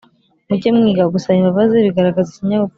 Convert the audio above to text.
Mujye mwiga gusaba imbabazi bigaragaza ikinyabupfura